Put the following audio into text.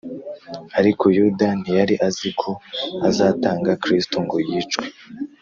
ariko yuda ntiyari azi ko azatanga kristo ngo yicwe